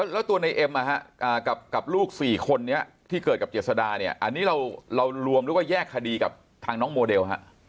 แล้วตัวในเอ็มกับลูก๔คนนี้ที่เกิดกับเจษดาเนี่ยอันนี้เรารวมหรือว่าแยกคดีกับทางน้องโมเดล